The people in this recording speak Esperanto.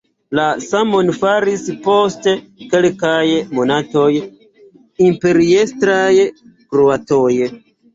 La samon faris post kelkaj monatoj imperiestraj kroatoj.